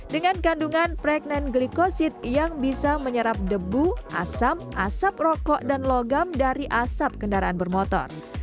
dengan kandungan preknen glikosit yang bisa menyerap debu asam asap rokok dan logam dari asap kendaraan bermotor